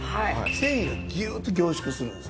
繊維がギューッと凝縮するんです。